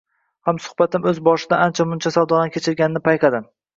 Hamsuhbatim o`z boshidan ancha-muncha savdolarni kechirganini payqadim